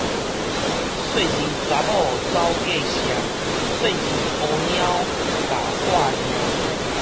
細膩查某走過社，細膩烏貓踏破瓦